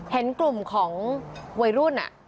เห็นกลุ่มของวัยรุ่น